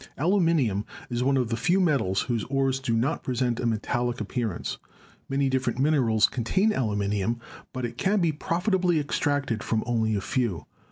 Aluminium is one of the few metals whose ores do not present a metallic appearance. Many different minerals contain aluminium, but it can be profitably extracted from only a few.